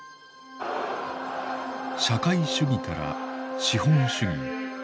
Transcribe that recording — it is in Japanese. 社会主義から資本主義へ。